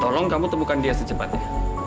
tolong kamu temukan dia secepatnya